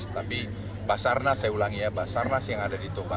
tapi basarnas saya ulangi ya basarnas yang ada di toba